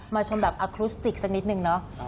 มาชมแบบอคลุสติกสักนิดหนึ่ง